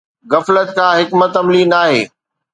غفلت ڪا حڪمت عملي ناهي